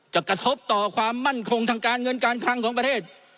กระทบต่อความมั่นคงทางการเงินการคลังของประเทศ